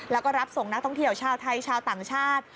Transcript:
แล้วก็รับส่งนักท่องเที่ยวชาวไทยชาวต่างชาติ